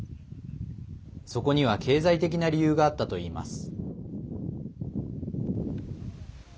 そこには経済的な理由があったといいます。